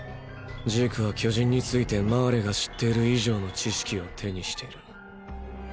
ジークは巨人についてマーレが知っている以上の知識を手にしている。